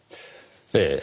ええ。